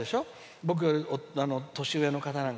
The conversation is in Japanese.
僕、年上の方なんか。